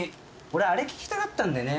俺あれ聞きたかったんだよね。